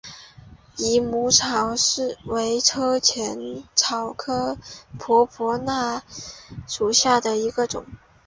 蚊母草为车前草科婆婆纳属下的一个种。